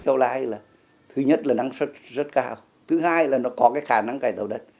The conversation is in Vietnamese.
keo lai là thứ nhất là năng suất rất cao thứ hai là nó có khả năng cải tạo đất